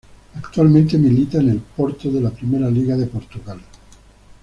Actualmente milita en el Porto de la Primeira Liga de Portugal.